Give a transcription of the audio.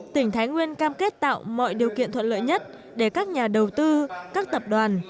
tỉnh thái nguyên cam kết tạo mọi điều kiện thuận lợi nhất để các nhà đầu tư các tập đoàn